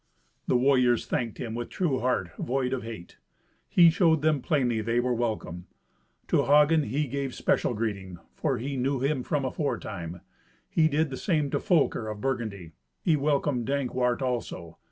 The warriors thanked him with true heart void of hate. He showed them plainly they were welcome. To Hagen he gave special greeting, for he knew him from aforetime. He did the same to Folker of Burgundy. He welcomed Dankwart also.